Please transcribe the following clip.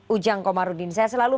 ujang komarudin saya selalu